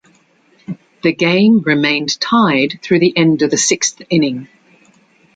The game remained tied through the end of the sixth inning.